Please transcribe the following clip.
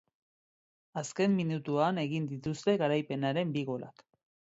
Azken minutuan egin dituzte garaipenaren bi golak.